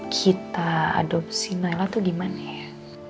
kita adopsi nailah tuh gimana ya